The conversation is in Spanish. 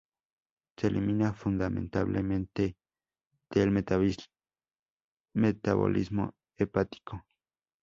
Se elimina fundamentalmente por metabolismo hepático.